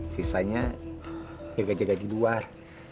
sisanya jaga jaga di luar